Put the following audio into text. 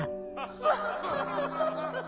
ハハハハ。